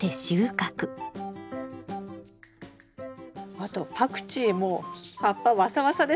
あとパクチーも葉っぱわさわさですね。